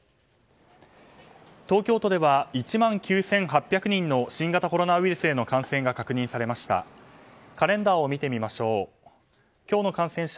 東京都では１万９８００人の新型コロナウイルスへの感染が確認されました。